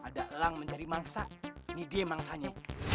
ada elang mencari mangsa ini dia mangsanya